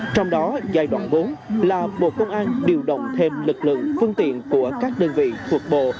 trong đó giai đoạn bốn là bộ công an điều động thêm lực lượng phương tiện của các đơn vị thuộc bộ